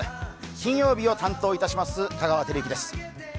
金曜日を担当いたします、香川照之です。